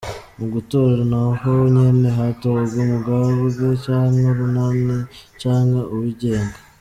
Mu gutora naho nyene hatogwa umugambwe canke urunani canke uwigenga.